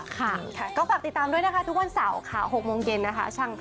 ค่ะก็ฝากติดตามด้วยนะคะทุกวันเสาร์ค่ะ๖โมงเย็นนะคะ